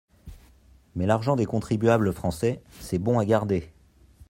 Mais l'argent des contribuables français, c'est bon à garder.